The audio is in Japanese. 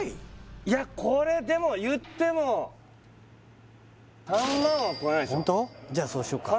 いやこれでもいっても３万は超えないでしょうホント？